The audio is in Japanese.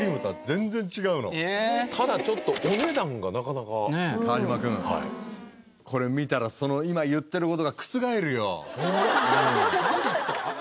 ただちょっとお値段がなかなか川島君これ見たら今言ってることが覆るよホンマですか？